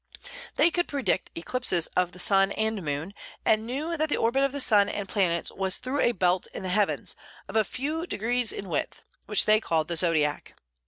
They could predict eclipses of the sun and moon, and knew that the orbit of the sun and planets was through a belt in the heavens, of a few degrees in width, which they called the Zodiac.